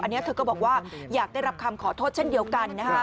อันนี้เธอก็บอกว่าอยากได้รับคำขอโทษเช่นเดียวกันนะคะ